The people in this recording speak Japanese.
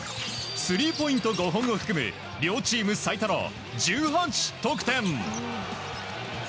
スリーポイント５本を含む両チーム最多の１８得点。